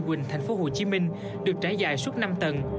quỳnh tp hcm được trải dài suốt năm tầng